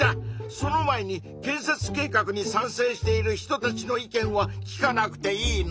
その前に建設計画に賛成している人たちの意見は聞かなくていいの？